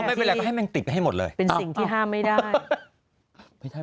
ไม่เป็นไรก็ให้แมงติกไปให้หมดเลยเป็นสิ่งที่ห้ามไม่ได้